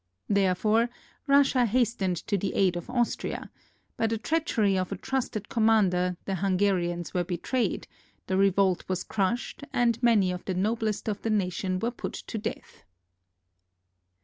Therefore Russia hastened to the aid of Austria; by the treachery of a trusted commander, the Hungarians were betrayed, the revolt was crushed, and many of the noblest of the nation were put to death.